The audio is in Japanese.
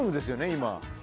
今。